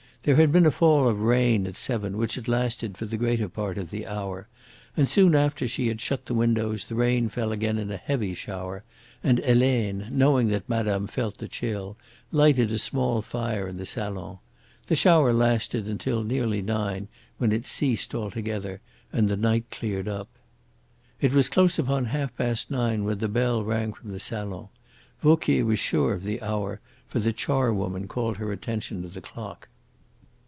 There had been a fall of rain at seven which had lasted for the greater part of the hour, and soon after she had shut the windows the rain fell again in a heavy shower, and Helene, knowing that madame felt the chill, lighted a small fire in the salon. The shower lasted until nearly nine, when it ceased altogether and the night cleared up. It was close upon half past nine when the bell rang from the salon. Vauquier was sure of the hour, for the charwoman called her attention to the clock.